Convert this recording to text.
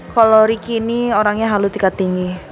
kalo riki ini orangnya halu tiket tinggi